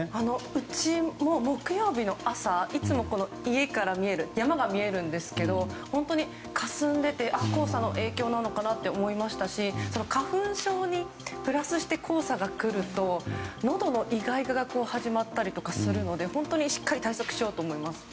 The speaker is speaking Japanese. うちも、木曜日の朝いつも家から山が見えるんですが本当にかすんでいて黄砂の影響なのかなって思いましたし花粉症にプラスして黄砂が来るとのどのイガイガが始まったりするので本当にしっかり対策しようと思います。